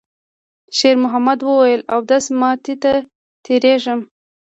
شېرمحمد وویل: «اودس ماتی ته تېرېږم.»